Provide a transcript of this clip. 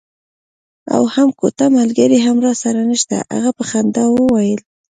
او هم کوټه ملګری هم راسره نشته. هغه په خندا وویل.